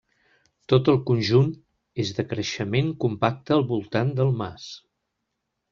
Tot el conjunt és de creixement compacte al voltant del mas.